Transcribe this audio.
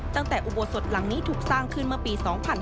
ตั้งแต่อุโบสถ์หลังนี้ถูกสร้างขึ้นเมื่อปี๒๕๒๐